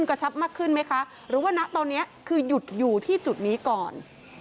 กระชับมากขึ้นไหมคะหรือว่าณตอนนี้คือหยุดอยู่ที่จุดนี้ก่อน